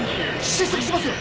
失速しますよ。